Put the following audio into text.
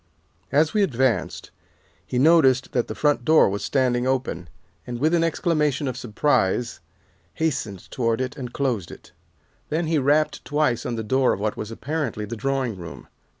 "As we advanced, he noticed that the front door was standing open, and with an exclamation of surprise, hastened toward it and closed it. Then he rapped twice on the door of what was apparently the drawing room.